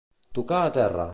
Tocar a terra.